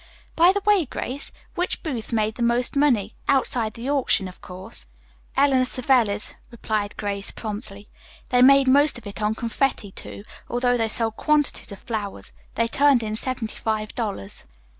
"By the way, Grace, which booth made the most money, outside the auction, of course?" "Eleanor Savelli's," replied Grace promptly. "They made most of it on confetti, too, although they sold quantities of flowers. They turned in seventy five dollars."